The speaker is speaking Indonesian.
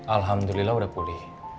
alhamdulillah udah pulih